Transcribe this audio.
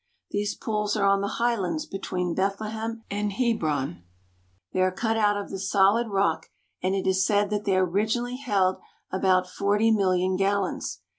These pools are on the highlands between Bethlehem and Hebron. They are cut out of the solid rock, and it is said that they originally held about forty million gallons.